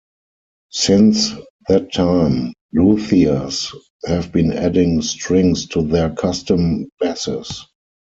Since that time, luthiers have been adding strings to their custom basses.